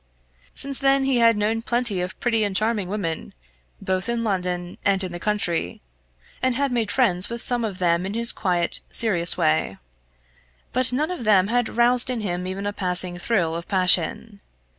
Since then he had known plenty of pretty and charming women, both in London and in the country, and had made friends with some of them in his quiet serious way. But none of them had roused in him even a passing thrill of passion.